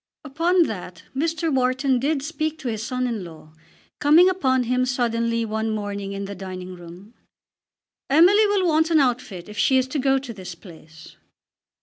Upon that Mr. Wharton did speak to his son in law; coming upon him suddenly one morning in the dining room. "Emily will want an outfit if she is to go to this place."